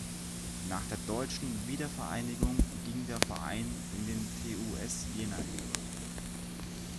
Nach der deutschen Wiedervereinigung ging der Verein in den TuS Jena über.